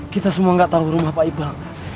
kita semua gak tau rumah pak iqbal